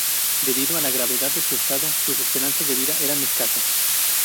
Debido a la gravedad de su estado, sus esperanzas de vida eran escasas.